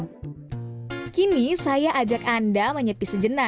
pula yang terbaik di pulau onrus adalah pulau yang terbaik di pulau onrus